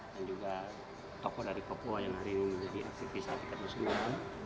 dan juga tokoh dari papua yang hari ini menjadi aktivis aktivis semua